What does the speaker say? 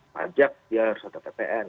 pajak dia harus ada ppn